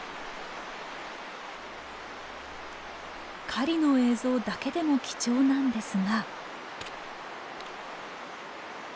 狩りの映像だけでも貴重なんですが。